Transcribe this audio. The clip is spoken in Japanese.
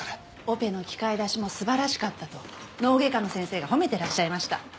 オペの器械出しも素晴らしかったと脳外科の先生が褒めてらっしゃいました。